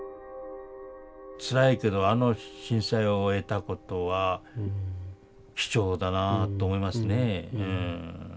つらいけどあの震災を追えたことは貴重だなあと思いますね。